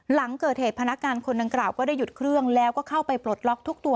หลังเกิดเหตุพนักงานคนดังกล่าวก็ได้หยุดเครื่องแล้วก็เข้าไปปลดล็อกทุกตัว